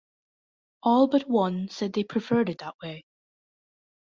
All but one said they preferred it that way.